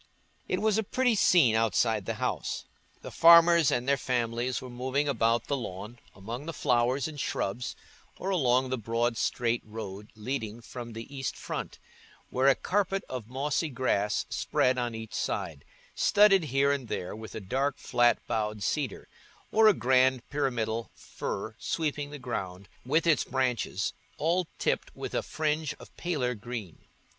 It was a pretty scene outside the house: the farmers and their families were moving about the lawn, among the flowers and shrubs, or along the broad straight road leading from the east front, where a carpet of mossy grass spread on each side, studded here and there with a dark flat boughed cedar, or a grand pyramidal fir sweeping the ground with its branches, all tipped with a fringe of paler green.